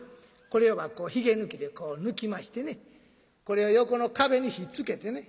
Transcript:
これはヒゲ抜きでこう抜きましてこれを横の壁にひっつけてね